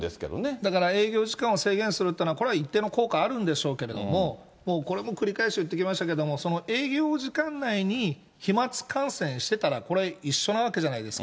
だから、営業時間を制限するっていうのは、これは一定の効果あるんでしょうけど、もうこれも繰り返し言ってきましたけれども、その営業時間内に飛まつ感染してたら、これ、一緒なわけじゃないですか。